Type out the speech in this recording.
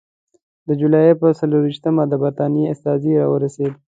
د جولای پر څلېرویشتمه د برټانیې استازی راورسېد.